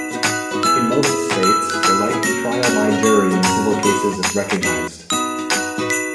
In most states, the right to trial by jury in civil cases is recognized.